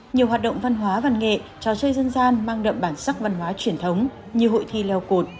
nhiều hoạt động văn hóa văn nghệ trò chơi dân gian mang đậm bản sắc văn hóa truyền thống như hội thi leo cột